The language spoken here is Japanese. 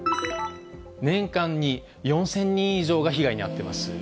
年間に４０００人以上が被害に遭っています。